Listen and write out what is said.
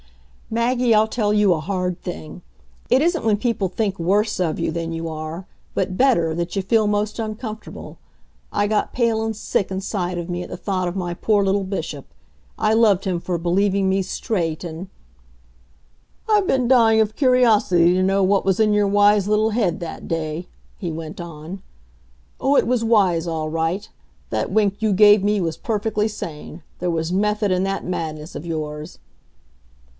Maggie, I'll tell you a hard thing: it isn't when people think worse of you than you are, but better, that you feel most uncomfortable. I got pale and sick inside of me at the thought of my poor little Bishop. I loved him for believing me straight and "I've been dying of curiosity to know what was in your wise little head that day," he went on. "Oh, it was wise all right; that wink you gave me was perfectly sane; there was method in that madness of yours."